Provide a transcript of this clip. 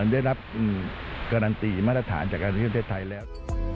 ได้รับการันตีมาตรฐานจากท่องเที่ยวไทยแล้ว